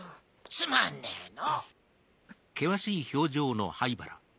つまんねえの。